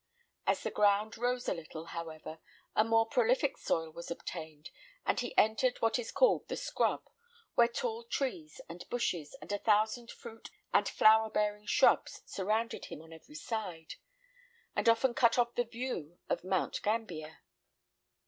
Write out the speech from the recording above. As the ground rose a little, however, a more prolific soil was obtained, and he entered what is called the scrub, where tall trees, and bushes, and a thousand fruit and flower bearing shrubs, surrounded him on every side, and often cut off the view of Mount Gambier.